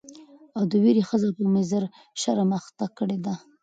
او دې ويرې ښځه په مضر شرم اخته کړې ده.